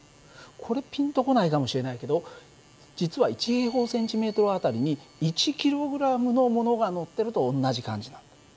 これピンと来ないかもしれないけど実は１あたりに１ｋｇのものがのってると同じ感じなんだ。